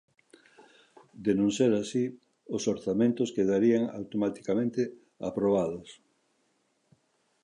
De non ser así, os orzamentos quedarían automaticamente aprobados.